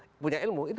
yang punya ilmu itu